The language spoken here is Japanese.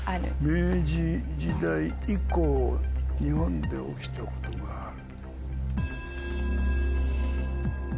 明治時代以降日本で起きたことがある。